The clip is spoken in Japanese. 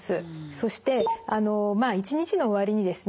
そしてまあ一日の終わりにですね